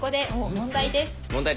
問題です。